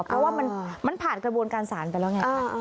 เพราะว่ามันผ่านกระบวนการสารไปแล้วไง